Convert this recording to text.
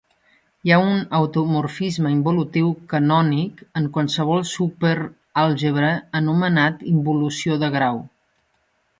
Hi ha un automorfisme involutiu canònic en qualsevol super àlgebra anomenat involució de grau.